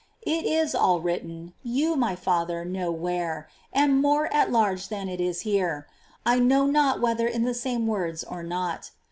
It is all written, — you, my father, know where, — and more at large than it is here ; I know not whether in the same words or not.